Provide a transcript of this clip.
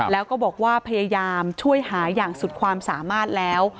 แล้วก็บอกว่าพยายามช่วยหาอย่างสุดความสามารถแล้ว